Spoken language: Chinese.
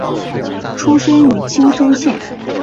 出身于青森县。